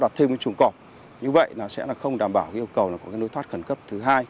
đặt các cái chủng cọp như vậy là sẽ là không đảm bảo yêu cầu là có cái nối thoát khẩn cấp thứ hai